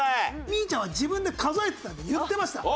みぃちゃんは自分で数えてたんで言ってました。